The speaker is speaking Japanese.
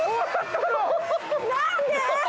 何で？